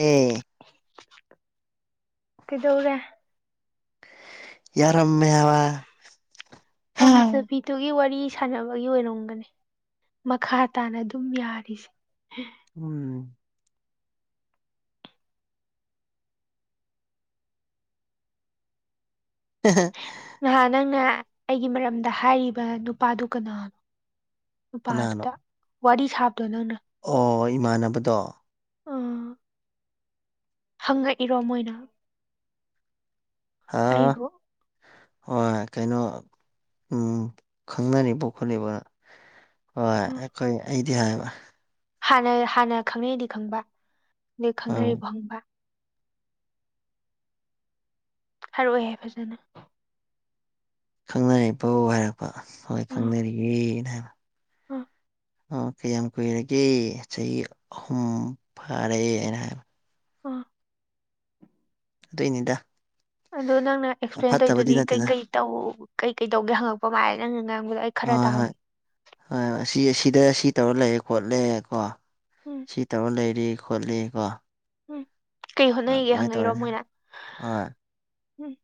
ꯑꯦ꯫ ꯀꯩꯗꯧꯔꯦ ꯌꯥꯔꯝꯃꯦꯕ꯫ ꯄꯥꯝꯖꯕꯤꯗꯨꯒꯤ ꯋꯥꯔꯤ ꯁꯥꯟꯅꯕꯒꯤ ꯑꯣꯏꯔꯝꯒꯅꯤ ꯃꯈꯥ ꯇꯥꯅ ꯑꯗꯨꯝ ꯌꯥꯔꯤꯁꯦ꯫ ꯎꯝ ꯍꯦꯍꯦ ꯅꯍꯥꯟ ꯅꯪꯅ ꯑꯩꯒꯤ ꯃꯔꯝꯗ ꯍꯥꯏꯔꯤꯕ ꯅꯨꯄꯥꯗꯨ ꯀꯅꯥꯅꯣ ꯀꯅꯥꯅꯣ ꯅꯨꯄꯥꯗꯨꯗ ꯋꯥꯔꯤ ꯁꯥꯕꯗꯣ ꯅꯪꯅ ꯑꯣ ꯏꯃꯥꯟꯅꯕꯗꯣ ꯑ ꯍꯪꯉꯛꯏꯔꯣ ꯃꯣꯏꯅ꯫ ꯑꯥ꯫ ꯑꯩꯕꯨ ꯍꯣꯏ ꯀꯩꯅꯣ ꯎꯝ ꯈꯪꯅꯔꯤꯕꯣ ꯈꯣꯠꯂꯤꯕꯅ ꯍꯣꯏ ꯎꯝ ꯑꯩꯈꯣꯏ ꯑꯩꯗꯤ ꯍꯥꯏꯕ꯫ ꯍꯥꯟꯅ ꯍꯥꯟꯅ ꯈꯪꯅꯔꯤꯗꯤ ꯈꯪꯕ ꯑꯗꯩ ꯍꯣꯏ ꯈꯪꯅꯔꯤꯕ ꯍꯪꯕ ꯍꯥꯔꯛꯑꯣꯍꯦ ꯐꯖꯅ ꯅꯪ꯫ ꯈꯪꯅꯔꯤꯕꯣ ꯍꯥꯏꯔꯛꯄ ꯍꯣꯏ ꯈꯪꯅꯔꯤꯌꯦꯅ ꯍꯥꯏꯕ ꯑ꯫ ꯑꯣ ꯀꯌꯥꯝ ꯀꯨꯏꯔꯒꯦ ꯆꯍꯤ ꯑꯍꯨꯝ ꯐꯥꯔꯦꯅ ꯍꯥꯏꯕ꯫ ꯑꯣ ꯑꯗꯨꯏꯅꯤꯗ ꯑꯗꯣ ꯅꯪꯅ ꯑꯦꯛꯁꯄ꯭ꯂꯦꯟ ꯐꯠꯇꯕꯗꯤ ꯇꯧꯏꯗꯨꯗꯤ ꯅꯠꯇꯦꯗ ꯀꯩꯀꯩ ꯇꯧ ꯀꯩꯀꯩ ꯇꯧꯒꯦ ꯍꯪꯉꯛꯄ ꯃꯥꯂꯦ ꯅꯪꯅ ꯉꯥꯡꯕꯗꯣ ꯑꯩ꯫ ꯈꯔ ꯍꯣꯏ ꯍꯣꯏ ꯇꯥꯍꯧꯋꯤ ꯍꯣꯏ ꯍꯣꯏ ꯁꯤ ꯑꯁꯤꯗ ꯁꯤ ꯇꯧꯔ ꯂꯩ ꯈꯣꯠꯂꯦ ꯀꯣ ꯎꯝ꯫ ꯁꯤ ꯇꯧꯔ ꯂꯩꯔꯤ ꯈꯣꯠꯂꯤ ꯀꯣ ꯎꯝ꯫ ꯀꯩ ꯍꯣꯠꯅꯩꯒꯦ ꯑꯗꯨꯃꯥꯏ ꯍꯪꯉꯛꯏꯔꯣ ꯇꯧꯔꯦ ꯃꯣꯏꯅ ꯍꯣꯏ ꯎꯝ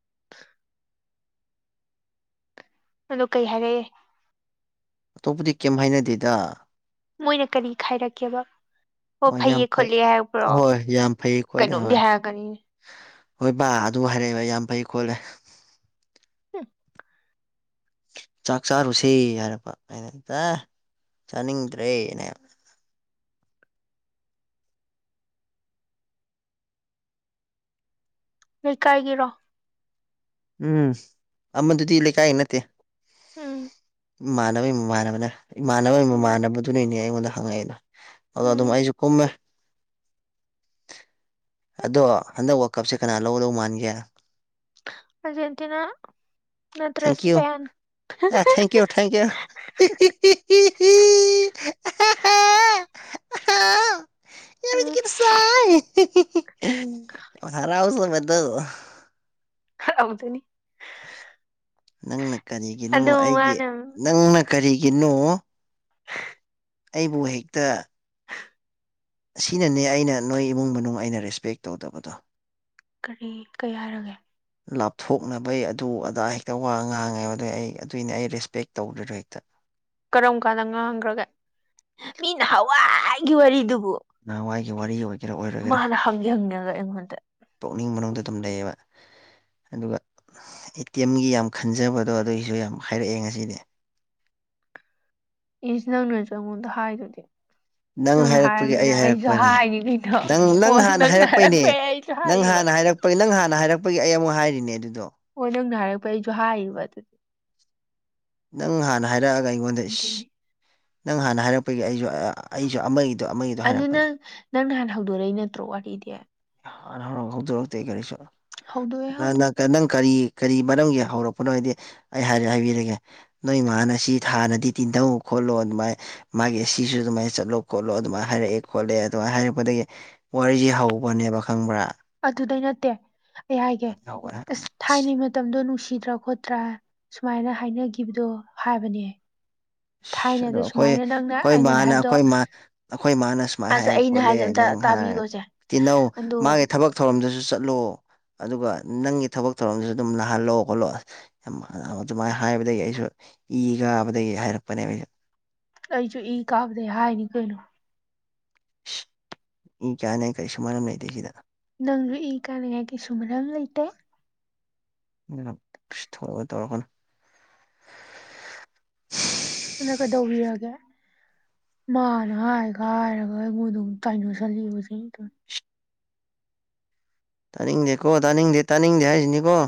ꯑꯗꯣ ꯀꯩ ꯍꯥꯏꯔꯛꯑꯦ ꯑꯇꯣꯞꯄꯗꯤ ꯀꯩꯝ ꯍꯥꯏꯅꯗꯦꯗ꯫ ꯃꯣꯏꯅ ꯀꯔꯤ ꯍꯥꯏꯔꯛꯀꯦꯕ ꯑꯣ ꯍꯣꯏ ꯌꯥꯝ ꯐꯩꯌꯦ ꯐꯩ ꯈꯣꯠꯂꯦ ꯍꯥꯏꯄ꯭ꯔꯣ ꯍꯣꯏ ꯌꯥꯝ ꯐꯩ ꯈꯣꯠꯂꯦ ꯀꯩꯅꯣꯝꯒꯤ ꯍꯣꯏ ꯍꯥꯏꯔꯛꯀꯅꯤ ꯍꯣꯏ ꯕꯥ ꯑꯗꯨ ꯍꯥꯏꯔꯛꯑꯦꯕ ꯌꯥꯝ ꯐꯩ ꯈꯣꯠꯂꯦ꯫ ꯍ ꯆꯥꯛ ꯆꯥꯔꯨꯁꯤ ꯍꯥꯏꯔꯛꯄ ꯑꯩꯅ ꯑ ꯆꯥꯅꯤꯡꯗ꯭ꯔꯦꯅ꯫ ꯂꯩ ꯀꯥꯏꯒꯤꯔꯣ ꯎꯝ ꯑꯃꯗꯨꯗꯤ ꯂꯩꯀꯥꯏ ꯅꯠꯇꯦ꯫ ꯎꯝ ꯏꯃꯥꯟꯅꯕꯒꯤ ꯃꯃꯥꯟꯅꯕꯅ ꯏꯃꯥꯟꯅꯕꯒꯤ ꯎꯝ ꯃꯃꯥꯟꯅꯕꯗꯨꯅꯅꯦ ꯑꯩꯉꯣꯟꯗ ꯍꯪꯉꯛꯏꯗꯣ꯫ ꯑꯗꯣ ꯑꯗꯨꯝ ꯎꯝ ꯑꯩꯁꯨ ꯀꯨꯝꯃꯦ ꯑꯗꯣ ꯍꯟꯗꯛ ꯋꯥꯜ ꯀꯞꯁꯦ ꯀꯅꯥ ꯂꯧꯒꯗꯧꯕ ꯃꯥꯟꯒꯦ꯫ ꯑꯔꯖꯦꯟꯇꯤꯅꯥ ꯅꯠꯇ꯭ꯔ ꯊꯦꯡꯀ꯭ꯌꯨ ꯏꯁꯄꯦꯟ ꯑꯦ ꯍꯤ ꯍꯤ ꯑꯍꯥꯥ ꯍꯥ ꯎꯝ ꯑꯍꯥꯎ ꯌꯥꯃꯤꯇꯦ ꯀꯨꯗꯁꯥꯏ ꯍꯔꯥꯎꯖꯕꯗꯣ ꯍꯔꯥꯎꯗꯣꯏ ꯅꯤ ꯅꯪꯅ ꯀꯔꯤꯒꯤꯅꯣ ꯑꯩꯒꯤ ꯃꯥꯅ ꯅꯪꯅ ꯀꯔꯤꯒꯤꯅꯣ ꯑꯩꯕꯨ ꯍꯦꯛꯇ꯫ ꯁꯤꯅꯅꯦ ꯑꯩꯅ ꯅꯣꯏ ꯏꯃꯨꯡ ꯃꯅꯨꯡ ꯑꯩꯅ ꯔꯦꯁꯄꯦꯛ ꯇꯧꯗꯕꯗꯣ ꯀꯔꯤ ꯀ ꯍꯥꯏꯔꯒꯦ ꯂꯥꯞꯊꯣꯛꯅꯕꯩ ꯑꯗꯨ ꯑꯗꯥ ꯍꯦꯛꯇ ꯋꯥ ꯉꯥꯡꯉꯦꯕ ꯑꯗꯨ ꯑꯩ ꯑꯗꯨꯏꯅꯦ ꯑꯩ ꯔꯦꯁꯄꯦꯛ ꯇꯧꯗ꯭ꯔꯤꯗꯣ ꯍꯦꯛꯇ꯫ ꯀꯔꯝ ꯀꯥꯟꯗ ꯉꯥꯡꯈ꯭ꯔꯒ ꯃꯤꯅ ꯍꯋꯥꯏꯒꯤ ꯋꯥꯔꯤꯗꯨꯕꯨ ꯅꯍꯥꯟꯋꯥꯏꯒꯤ ꯋꯥꯔꯤ ꯑꯣꯏꯒꯦꯔꯥ ꯑꯣꯏꯔꯣꯏꯒꯦꯔꯥ ꯃꯥꯅ ꯍꯪꯒꯦ ꯍꯪꯉꯒ ꯑꯩꯉꯣꯟꯗ꯫ ꯄꯨꯛꯅꯤꯡ ꯃꯅꯨꯡꯗ ꯑꯗꯨꯝ ꯂꯩꯌꯦꯕ꯫ ꯑꯗꯨꯒ ꯑꯦ ꯇꯤ ꯑꯦꯝꯒꯤ ꯌꯥꯝ ꯈꯟꯖꯕꯗꯣ ꯑꯗꯨꯒꯤꯁꯨ ꯌꯥꯝ ꯍꯥꯏꯔꯛꯑꯦ ꯉꯁꯤꯗꯤ ꯏꯁ ꯅꯪ ꯅꯁꯨ ꯑꯩꯉꯣꯟꯗ ꯍꯥꯏꯗꯨꯗꯤ꯫ ꯅꯪ ꯁꯝꯅ ꯍꯥꯏꯔꯛꯄꯒꯤ ꯍꯥꯏꯔꯕꯝꯃꯤꯅ ꯑꯩ ꯑꯩꯁꯨ ꯍꯥꯏꯔꯛꯄꯅꯦ ꯍꯥꯏꯔꯤꯉꯩꯅꯣ ꯅꯪ ꯅꯪ ꯍꯣꯟ ꯍꯥꯟꯅ ꯅꯪꯅ ꯍꯥꯏꯔꯛꯄꯩ ꯑꯩꯁꯨ ꯍꯥꯏꯔꯤꯕ ꯕꯥꯏ ꯅꯪ ꯍꯥꯟꯅ ꯍꯥꯏꯔꯛꯄꯒꯤ ꯑꯩ ꯑꯃꯨꯛ ꯍꯥꯏꯔꯤꯅꯦ ꯑꯗꯨꯗꯣ꯫ ꯍꯣꯏ ꯅꯪꯅ ꯍꯥꯏꯔꯛꯄ ꯑꯩꯁꯨ ꯍꯥꯏꯔꯤꯕ ꯑꯗꯨꯗꯤ ꯅꯪ ꯍꯥꯟꯅ ꯍꯥꯏꯔꯛꯑꯒ ꯑꯩꯉꯣꯟꯗ ꯈꯪꯗꯦ ꯑꯩ ꯅꯪ ꯍꯥꯟꯅ ꯍꯥꯏꯔꯛꯄꯒꯤ ꯑꯩꯁꯨ ꯑꯩꯁꯨ ꯑꯃꯒꯤ ꯑꯗꯨ ꯅꯪ ꯅꯪꯅ ꯍꯥꯟꯅ ꯍꯧꯗꯣꯔꯛꯏ ꯅꯠꯇ꯭ꯔꯣ ꯋꯥꯔꯤꯗꯤ꯫ ꯍ ꯍꯧꯗꯣꯔꯛꯇꯦ ꯀꯔꯤꯁꯨ ꯍꯧꯗꯣꯛꯑꯦ ꯅ ꯍꯧꯗꯣꯛ ꯅ꯫ ꯅꯪ ꯀꯔꯤ ꯀꯔꯤ ꯃꯔꯝꯒꯤ ꯍꯧꯔꯛꯄꯅꯣ ꯍꯥꯏꯗꯤ ꯑꯩ ꯍꯥꯏꯔꯤ ꯍꯥꯏꯕꯤꯔꯒꯦ ꯅꯣꯏꯃꯥꯅ ꯁꯤ ꯊꯥꯅꯗꯤ ꯇꯤꯟꯅꯧ꯫ ꯈꯣꯠꯂꯣ ꯑꯗꯨꯃꯥꯏꯅ ꯃꯥꯒꯤ ꯁꯤꯁꯨ ꯑꯗꯨꯃꯥꯏꯅ ꯆꯠꯂꯣ ꯈꯣꯠꯂꯣ ꯑꯗꯨꯃꯥꯏꯅ ꯍꯥꯏꯔꯛꯑꯦ ꯈꯣꯠꯂꯛꯑꯦ ꯑꯗꯨꯃꯥꯏꯅ ꯍꯥꯏꯔꯛꯄꯗꯒꯤ꯫ ꯋꯥꯔꯤꯁꯤꯦ ꯍꯧꯕꯅꯦꯕ ꯈꯪꯕ꯭ꯔꯥ ꯑꯗꯨꯗꯩ ꯅꯠꯇꯦ ꯑꯩ ꯍꯥꯏꯒꯦ ꯑꯁ ꯊꯥꯏꯅꯩ꯫ ꯃꯇꯝꯗꯣ ꯅꯨꯡꯁꯤꯗ꯭ꯔ ꯈꯣꯠꯇ꯭ꯔ ꯁꯨꯃꯥꯏꯅ ꯍꯥꯏꯅꯈꯤꯕꯗꯣ ꯍꯥꯏꯕꯅꯦ꯫ ꯑꯗꯣ ꯊꯥꯏꯅꯗ ꯑꯩꯈꯣꯏ ꯁꯨꯃꯥꯏꯅ ꯅꯪꯅ ꯑꯩꯈꯣꯏ ꯑꯩꯉꯣꯟꯗ ꯏꯃꯥꯅ ꯍꯥꯏꯕꯗꯣ ꯑꯩꯈꯣꯏ ꯏꯃꯥ ꯑꯩꯈꯣꯏ ꯏꯃꯥꯅ ꯁꯨꯃꯥꯏꯅ ꯑꯁ ꯍꯥꯏ ꯑꯩꯅ ꯈꯣꯠꯂꯦ ꯍꯥꯏꯁꯦ ꯑꯝꯇ ꯅꯪ ꯍꯥꯏ꯫ ꯇꯥꯕꯤꯈꯣꯁꯦ ꯇꯤꯍꯧ ꯑꯗꯨꯒ ꯃꯥꯒꯤ ꯊꯕꯛ ꯊꯧꯔꯝꯗꯁꯨ ꯆꯠꯂꯣ ꯑꯗꯨꯒ ꯅꯪꯒꯤ ꯊꯕꯛ ꯊꯧꯔꯝꯗꯁꯨ ꯑꯗꯨꯝ ꯅꯅꯥꯍꯜꯂꯣ ꯈꯣꯠꯂꯣ ꯌꯥꯝ ꯑꯗꯨꯃꯥꯏꯅ ꯍꯥꯏꯕꯗꯒꯤ ꯑꯩꯁꯨ ꯏ ꯀꯥꯕꯗꯒꯤ ꯍꯥꯏꯔꯛꯄꯅꯦ ꯑꯩꯁꯨ ꯑꯩꯁꯨ ꯏ ꯀꯥꯕꯗꯩ ꯍꯥꯏꯅꯤ ꯀꯩꯅꯣ ꯀꯌꯥꯅꯦꯥꯏ ꯀꯔꯤ ꯁꯨꯃꯔ ꯑꯃ ꯂꯩꯇꯦꯁꯤꯗ ꯅꯪꯅꯏ ꯀꯥꯅꯉꯥꯏ ꯀꯩꯁꯨ ꯃꯔꯝ ꯂꯩꯇꯦ ꯊꯣꯛꯧꯔꯒ ꯇꯧꯔꯛꯒꯅ ꯏꯁ ꯑꯗꯨꯅ ꯀꯩꯗꯧꯕꯤꯔꯒꯦ ꯃꯥꯅ ꯍꯥꯏꯒ ꯍꯥꯏꯔꯒ ꯑꯩꯉꯣꯟꯗꯝ ꯀꯥꯏꯅꯣꯁꯜꯂꯤꯕꯁꯦ ꯑꯗꯨ ꯇꯥꯅꯤꯡꯗꯦꯀꯣ ꯇꯥꯅꯤꯡꯗꯦ ꯇꯥꯅꯤꯡꯗꯦ ꯍꯥꯏꯁꯤꯅꯤꯀꯣ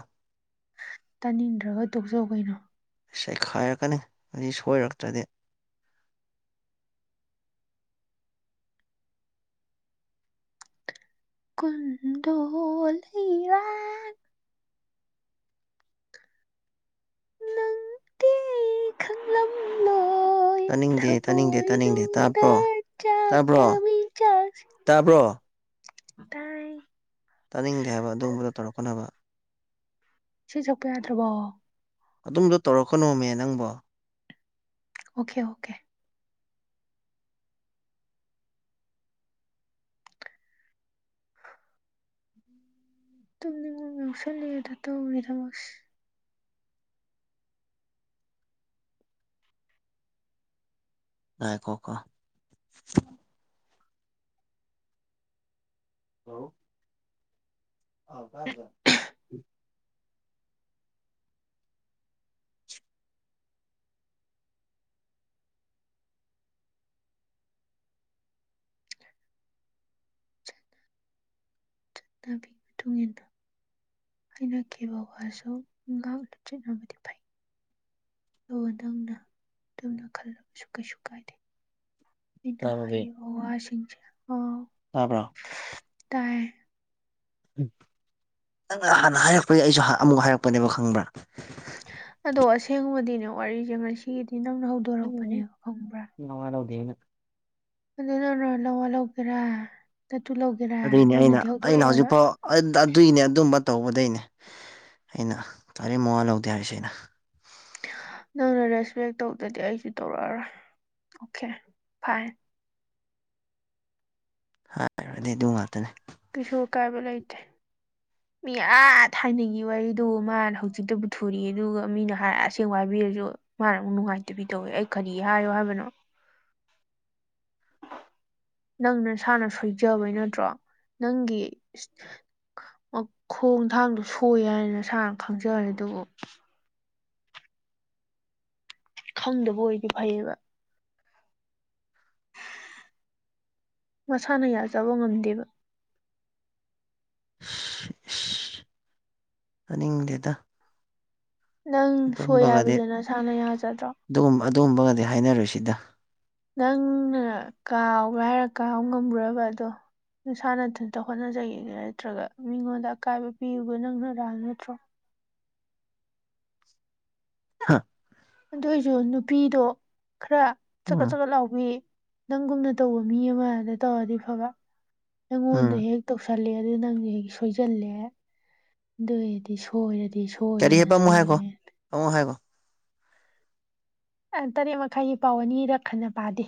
ꯇꯥꯅꯤꯡꯗ꯭ꯔꯒ ꯇꯣꯛꯆꯧ ꯀꯩꯅꯣ ꯆꯩꯈꯥꯏꯔꯛꯀꯅꯤ ꯍꯧ ꯁꯣꯏꯔꯛꯇ꯭ꯔꯗꯤ ꯀꯨꯟꯗꯣ ꯂꯩꯔꯥꯛ ꯅꯪꯗꯤ ꯈꯪꯂꯝꯂꯣꯏ ꯇꯥꯅꯤꯡꯗꯦ ꯇꯥꯅꯤꯡꯗꯦ ꯇꯥꯅꯤꯡꯗꯦ ꯊꯃꯣꯏꯅꯨꯡꯗ ꯇꯥꯕ꯭ꯔꯣ ꯇꯥꯕ꯭ꯔꯣ ꯆꯥꯛꯀꯃꯤ ꯇꯥꯕ꯭ꯔꯣ ꯇꯔ ꯑꯩ ꯇꯥꯅꯤꯡꯗꯦ ꯍꯥꯏꯕ ꯑꯗꯨꯒꯨꯝꯕꯗ ꯇꯧꯔꯛꯀꯅꯕ ꯁꯤ ꯁꯛꯄ ꯌꯥꯗ꯭ꯔꯕꯣ ꯑꯗꯨꯝꯕꯗꯣ ꯇꯧꯔꯛꯀꯅꯣꯃꯦ ꯅꯪꯕꯣ ꯑꯣꯀꯦ ꯑꯣꯀꯦ ꯇꯝꯅꯤꯡꯉ ꯌꯥꯎꯁꯜꯂꯗ ꯇꯧꯕꯒꯤꯗꯃꯛꯁ ꯉꯥꯏꯈꯣꯀꯣ ꯍꯂ ꯑꯣ ꯀꯒꯣ ꯄꯤ ꯃꯇꯨꯡ ꯏꯟꯅ ꯍꯥꯏꯩꯅꯈꯤꯕ ꯋꯥꯁꯨ ꯉꯥꯛꯅ ꯆꯠꯅꯕꯗꯤ ꯐꯩ ꯑ ꯅꯪꯅ ꯑꯗꯨꯝꯅ ꯈꯜꯂꯕꯁꯨ ꯀꯩꯁꯨ ꯀꯥꯏꯗꯦ ꯑꯩꯅ ꯇꯥꯔꯕꯣ ꯕꯦ ꯍꯥꯏꯌ ꯑꯣ ꯑꯣ ꯇꯥꯕ꯭ꯔꯣ ꯇꯥꯏ ꯅꯪꯅ ꯍꯥꯟꯅ ꯍꯥꯏꯔꯛꯄꯒꯤ ꯑꯩꯁꯨ ꯑꯃꯨꯛ ꯍꯥꯏꯔꯛꯄꯅꯦꯕ ꯈꯪꯕ꯭ꯔꯥ ꯑꯗꯣ ꯑꯁꯦꯡꯕꯗꯤꯅꯦ ꯋꯥꯔꯤꯁꯦ ꯉꯁꯤꯒꯤꯗꯤ ꯅꯪꯅ ꯍꯧ ꯎꯝ ꯅꯋ ꯂꯧꯗꯦ ꯑꯩꯅ ꯑꯗꯨ ꯅꯅ ꯂꯧꯑꯣ ꯂꯧꯒꯦꯔꯥ ꯅꯒꯦ ꯑꯗꯨꯏꯅꯦ ꯑꯩꯅ ꯑꯩꯅ ꯍꯧꯖꯤꯛꯐꯥꯎ ꯑꯗꯨꯏꯅꯦ ꯑꯗꯨꯝꯕ ꯇꯧꯕꯗꯩꯅꯦ ꯑꯩꯅ ꯇꯥꯔꯦꯠ ꯃꯉꯥ ꯂꯧꯗꯦ ꯍꯥꯏꯔꯤꯁꯦ ꯑꯩꯅ ꯅꯪꯅ ꯔꯦꯁꯄꯦꯛ ꯇꯧꯗꯗꯤ ꯑꯩꯁꯨ ꯇꯧꯔꯛꯑꯔꯣꯏ ꯑꯣꯀꯦ ꯐꯥꯏꯟ ꯍꯥꯏꯔꯗꯤ ꯑꯗꯨ ꯉꯥꯛꯇꯅꯦ ꯀꯩꯁꯨ ꯑꯀꯥꯏꯕ ꯂꯩꯇꯦ ꯃꯤ ꯑꯥ ꯊꯥꯏꯅꯒꯤ ꯋꯥꯔꯤꯗꯨꯣ ꯃꯥꯅ ꯍꯧꯖꯤꯛꯇꯕꯨ ꯊꯨꯔꯤ ꯑꯗꯨꯒ ꯃꯤꯅ ꯑꯁꯦꯡ ꯋꯥꯏꯕꯤꯔꯁꯨ ꯃꯥꯅ ꯑꯃꯨꯛ ꯅꯨꯡꯉꯥꯏꯇꯕꯤ ꯇꯧꯋꯤ ꯑꯩ ꯀꯔꯤ ꯍꯥꯏꯌꯣ ꯍꯥꯏꯕꯅꯣ ꯅꯪ ꯅꯁꯥꯅ ꯁꯣꯏꯖꯕꯩ ꯅꯠꯇ꯭ꯔꯣ ꯅꯪꯒꯤ ꯈꯣꯡ ꯊꯥꯡꯗꯣ ꯁꯣꯏ ꯍꯥꯏꯅ ꯁꯥꯔꯅ ꯈꯪꯖꯔꯦ ꯑꯗꯨꯕꯨ ꯈꯪꯗꯕ ꯑꯣꯏꯗꯤ ꯐꯩꯌꯦꯕ ꯃꯁꯥꯅ ꯌꯥꯖꯕ ꯉꯝꯗꯦꯕ [inaudible] ꯇꯥꯅꯤꯡꯗꯦꯗ ꯅꯪ ꯁꯣꯏ ꯍꯥꯏꯕꯁꯤ ꯅꯁꯥꯥꯅ ꯌꯥꯖꯗ꯭ꯔꯣ ꯑꯗꯨꯒꯨꯝꯕ ꯑꯗꯨꯒꯨꯝꯕꯒꯗꯤ ꯍꯥꯏꯅꯔꯨꯁꯤꯗ ꯅꯪꯅ ꯀꯥꯎꯕ꯭ꯔꯥ ꯍꯥꯏꯔ ꯀꯥꯎꯕ ꯉꯝꯈꯨꯕ ꯑꯗꯣ ꯅꯁꯥꯅꯗꯨꯟꯇ ꯍꯣꯠꯅꯖꯒ ꯅꯠꯇ꯭ꯔꯒ ꯃꯤꯉꯣꯟꯗ ꯑꯀꯥꯏꯕ ꯄꯤꯌꯨꯕ ꯅꯪꯅꯔꯥꯜ ꯅꯠꯇ꯭ꯔꯣ ꯍꯥ ꯑꯗꯨꯑꯣꯏꯁꯨ ꯅꯨꯄꯤꯗꯣ ꯈꯔ ꯁꯀꯠ ꯎꯝ ꯁꯀꯠ ꯂꯥꯎꯕꯤ ꯅꯪꯒꯨꯝꯅ ꯇꯧꯕ ꯃꯤ ꯑꯃꯗ ꯇꯧꯔꯗꯤ ꯐꯕ ꯎꯝ ꯅꯪꯉꯣꯟꯗ ꯍꯦꯛ ꯇꯧꯁꯂꯦ ꯑꯗꯨ ꯅꯪ ꯁꯣꯏꯖꯦꯜꯂꯦ ꯑꯗꯤ ꯁꯣꯏꯔꯗꯤ ꯁꯣꯏꯔꯦꯅ ꯁꯣꯏꯔꯦ ꯑꯃꯉꯣ ꯍꯥꯏꯒꯣ ꯇꯔꯦꯠ ꯃꯈꯥꯏꯒꯤ ꯄꯥꯎ ꯑꯅꯤꯔꯛ ꯈꯟꯅ ꯄꯥꯗꯦ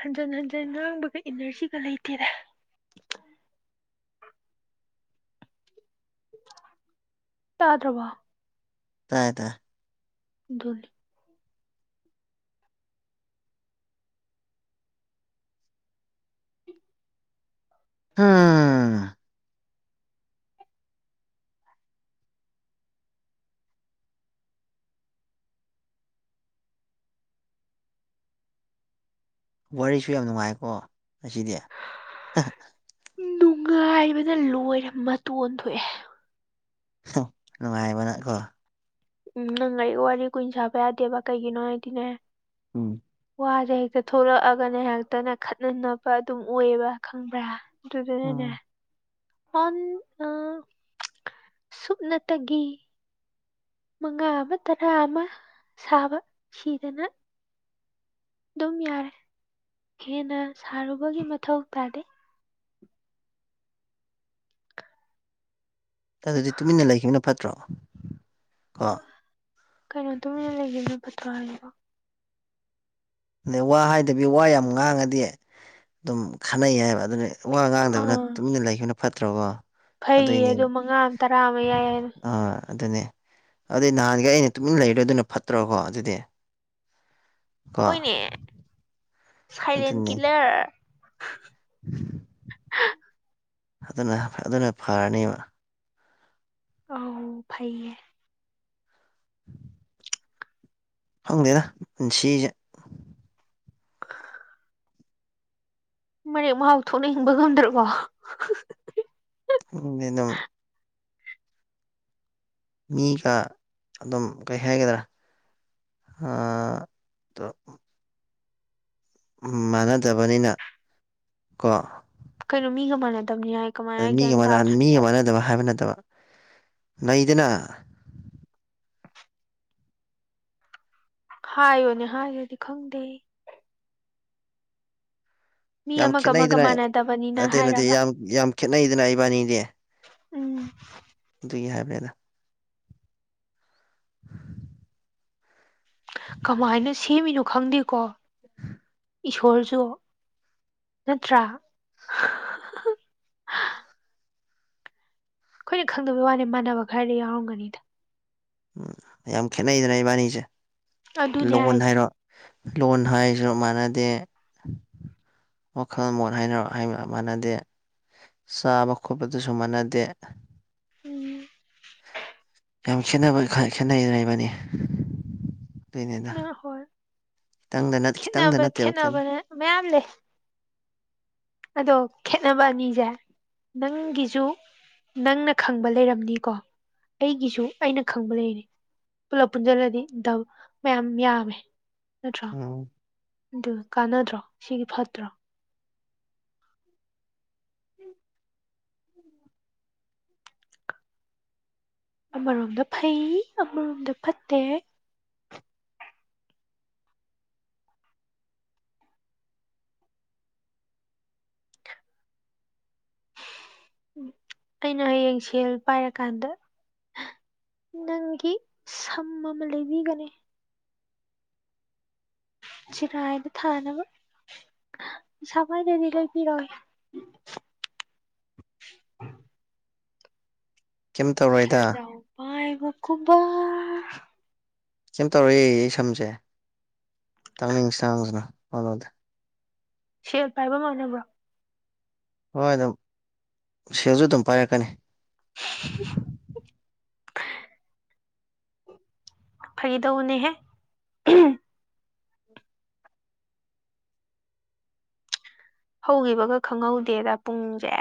ꯍꯟꯖꯟ ꯍꯟꯖꯟ ꯉꯥꯡꯕꯒ ꯏꯅꯔꯖꯤꯒ ꯂꯩꯇꯦꯔꯦ ꯇꯥꯗ꯭ꯔꯕꯣ ꯇ꯭ꯔꯥꯏ ꯇꯏ [unintelligible] ꯎꯝ ꯋꯥꯔꯤꯁꯨ ꯌꯥꯝ ꯅꯨꯡꯉꯥꯏꯀꯣ ꯉꯁꯤꯗꯤ ꯅꯨꯡꯉꯥꯏꯕꯗ ꯂꯣꯏꯔꯦ ꯃꯇꯣꯟ ꯊꯣꯛꯑꯦ [unintelligible] ꯅꯨꯡꯉꯥꯏꯕꯅ ꯀꯣ ꯎꯝ ꯅꯪ ꯑꯩ ꯋꯥꯔꯤ ꯀꯨꯏꯅ ꯁꯥꯕ ꯌꯥꯗꯦꯕ ꯀꯩꯒꯤꯅꯣ ꯍꯥꯏꯗꯤꯅꯦ ꯎꯝ ꯋꯥꯁꯦ ꯍꯦꯛꯇ ꯊꯣꯛꯂꯛꯑꯒꯅ ꯍꯦꯛꯇꯅꯦ ꯈꯠꯅꯅꯕ ꯑꯗꯨꯝ ꯑꯣꯏꯌꯦꯕ ꯈꯪꯕ꯭ꯔꯥ ꯑꯗꯨꯗꯨꯅꯅꯦ ꯎꯝ ꯍꯣꯟ ꯑ ꯁꯨꯞꯅꯇꯒꯤ ꯃꯉꯥ ꯑꯃ ꯇꯔꯥ ꯑꯃ ꯁꯥꯕ ꯁꯤꯗꯅ ꯑꯗꯨꯝ ꯌꯥꯔꯦ ꯍꯦꯟꯅ ꯁꯥꯔꯨꯕꯒꯤ ꯃꯊꯧ ꯇꯥꯗꯦ ꯑꯗꯨꯗꯤ ꯇꯨꯃꯤꯟꯅ ꯂꯩꯈꯤꯕꯅ ꯐꯠꯇ꯭ꯔꯣ ꯀꯣ ꯀꯩꯅꯣ ꯇꯨꯃꯤꯟꯅ ꯂꯩꯈꯤꯕꯅ ꯄꯠꯇ꯭ꯔꯥ ꯍꯥꯏꯁꯤꯗꯣ ꯑꯗꯩ ꯋꯥ ꯍꯥꯏꯗꯕꯤ ꯋꯥ ꯌꯥꯝ ꯉꯥꯡꯉꯗꯤ ꯑꯗꯨꯝ ꯈꯟꯅꯩ ꯍꯥꯏꯕ ꯑꯗꯨꯅ ꯋꯥ ꯉꯥꯡꯗꯕꯅ ꯑꯥ ꯇꯨꯃꯤꯟꯅ ꯂꯩꯈꯤꯕꯅ ꯐꯠꯇ꯭ꯔꯕꯣ ꯐꯩꯌꯦ ꯑꯗꯣ ꯃꯉꯥ ꯑꯃ ꯇꯔꯥ ꯑꯃ ꯌꯥꯏ ꯍꯥꯏꯅ ꯑꯥ ꯑꯗꯨꯅꯦ ꯑꯗꯨꯗꯤ ꯅꯍꯥꯟꯒ ꯑꯩꯅ ꯇꯨꯃꯤꯟꯅ ꯂꯩꯔꯦ ꯑꯗꯨꯅ ꯐꯠꯇ꯭ꯔꯣꯀꯣ ꯑꯗꯨꯗꯤ ꯀꯣ ꯍꯅꯦ ꯁꯥꯏꯂꯦꯟ ꯑꯗꯨꯅꯤ ꯀꯤꯂꯔ ꯑꯗꯨꯅ ꯑꯗꯨꯅ ꯐꯔꯅꯦꯕ ꯑꯧ ꯐꯩꯌꯦ ꯈꯪꯗꯦꯗ ꯄꯨꯟꯁꯤꯁꯦ ꯃꯔꯦꯛ ꯃꯍꯥꯎ ꯊꯣꯛꯅ ꯍꯤꯡꯕ ꯉꯝꯗ꯭ꯔꯕꯣ [unintelligible] ꯃꯤꯒ ꯑꯗꯨꯝ ꯀꯩ ꯍꯥꯏꯒꯗ꯭ꯔꯥ ꯍꯥ ꯗꯣ ꯎ ꯃꯥꯟꯅꯗꯕꯅꯤꯅ ꯀꯣ ꯀꯩꯅꯣ ꯃꯤꯒ ꯃꯥꯟꯅꯗꯝꯅꯤꯅ ꯍꯥꯏ ꯑ ꯀꯃꯥꯏꯅ ꯃꯤꯒ ꯒ꯭ꯌꯥꯟ ꯃꯥꯅ ꯇꯥꯗ꯭ꯔꯦ ꯃꯤꯒ ꯃꯥꯟꯅꯗꯕ ꯍꯥꯏꯕ ꯅꯠꯇꯕ ꯂꯩꯗꯅ ꯍꯥꯏꯌꯣꯅꯦ ꯍꯥꯏꯔꯗꯤ ꯈꯪꯗꯦ ꯃꯤ ꯌꯥꯝ ꯑꯃꯒ ꯑꯃꯒ ꯈꯦꯠꯅꯩꯗꯅ ꯃꯥꯟꯅꯗꯕꯅꯤꯅ ꯅꯠꯇꯦ ꯅꯠꯇꯦ ꯍꯥꯏꯔꯕ ꯌꯥꯝ ꯌꯥꯝ ꯈꯦꯠꯅꯩꯗꯅ ꯏꯕꯥꯟꯅꯤꯗꯦ ꯎꯝ ꯑꯗꯨꯏ ꯍꯥꯏꯕꯅꯦꯗ [inaudible] ꯀꯃꯥꯏꯅ ꯁꯦꯝꯃꯤꯅꯣ ꯈꯪꯗꯦꯀꯣ ꯏꯁꯣꯔꯁꯨ ꯅꯠꯇ꯭ꯔꯥ ꯈꯣꯏꯅ ꯈꯪꯗꯕꯩ ꯋꯥꯅꯤ ꯃꯥꯟꯅꯕ ꯈꯔꯗꯤ ꯌꯥꯎꯔꯝꯒꯅꯤꯗ ꯎꯝ ꯌꯥꯝ ꯈꯦꯠꯅꯩꯗꯅ ꯏꯕꯥꯟꯅꯤꯁꯦ ꯑꯗꯨꯅꯦ ꯂꯣꯟ ꯍꯥꯏꯁꯦ ꯍꯥꯏꯔꯣ ꯂꯣꯟ ꯍꯥꯏꯁꯨ ꯃꯥꯟꯅꯗꯦ ꯋꯥꯈꯜ ꯃꯣꯠ ꯍꯥꯏꯔꯣ ꯍꯥꯏꯕ ꯃꯥꯟꯅꯗꯦ ꯆꯥꯕ ꯈꯣꯠꯄꯗꯁꯨ ꯃꯥꯟꯅꯗꯦ ꯎꯝ ꯌꯥꯝ ꯈꯦꯠꯅꯕ ꯈ ꯈꯦꯠꯅꯩꯗꯅ ꯏꯕꯥꯟꯅꯤ ꯑꯗꯨꯏꯅꯤꯗ ꯍꯣꯏ ꯈꯤꯇꯪꯗ ꯈꯤꯇꯪꯗ ꯈꯦꯠꯅꯕ ꯅꯠꯇꯦꯕ ꯈꯦꯅ ꯈꯦꯠꯅꯕꯅ ꯃꯌꯥꯝ ꯂꯩ ꯑꯗꯣ ꯈꯦꯠꯅꯕ ꯑꯅꯤꯁꯦ ꯅꯪꯒꯤꯁꯨ ꯅꯪꯅ ꯈꯪꯕ ꯂꯩꯔꯝꯅꯤꯀꯣ ꯑꯩꯒꯤꯁꯨ ꯑꯩꯅ ꯈꯪꯕ ꯂꯩꯔꯤ ꯄꯨꯂꯞ ꯄꯨꯟꯁꯤꯜꯂꯗꯤ ꯗꯧ ꯃꯌꯥꯝ ꯌꯥꯝꯃꯦ ꯅꯠꯇ꯭ꯔꯣ ꯎꯝ ꯑꯗꯨ ꯀꯥꯟꯅꯗ꯭ꯔꯣ ꯁꯤꯒꯤ ꯐꯠꯇ꯭ꯔꯣ ꯑꯃꯔꯣꯝꯗ ꯐꯩ ꯑꯃꯔꯣꯝꯗ ꯐꯠꯇꯦ ꯎꯝ ꯑꯩꯅ ꯍꯌꯦꯡ ꯁꯦꯜ ꯄꯥꯏꯔꯀꯥꯟꯗ ꯅꯪꯒꯤ ꯁꯝ ꯑꯃ ꯂꯩꯕꯤꯒꯅꯤ ꯁꯤꯒꯥꯏꯕ ꯊꯥꯅꯕ ꯄꯩꯁꯥ ꯄꯥꯏꯗꯔ꯭ꯗꯤ ꯂꯩꯕꯤꯔꯣ ꯀꯩꯝ ꯇꯧꯔꯣꯏꯗ ꯁꯖꯥꯑꯣ ꯄꯥꯏꯕ ꯒꯨꯝꯕꯥ ꯀꯩꯝ ꯇꯧꯔꯣꯌꯦ ꯑꯩ ꯁꯝꯁꯦ ꯇꯥꯡꯅꯤꯡꯁ ꯁꯥꯅꯨ ꯄꯥꯃꯨꯗꯦ ꯁꯦꯜ ꯄꯥꯏꯕ ꯃꯥꯟꯅꯕ ꯍꯣꯏ ꯑꯗꯨꯝ ꯁꯦꯜꯁꯨ ꯑꯗꯨꯝ ꯄꯥꯏꯔꯛꯀꯅꯤ꯫ ꯐꯒꯤꯗꯧꯅꯦꯍꯦ ꯎꯝ ꯍꯧꯈꯤꯕꯒ ꯈꯪꯍꯧꯗꯦꯗ ꯄꯨꯡꯁꯦ